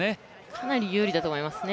かなり有利だと思いますね。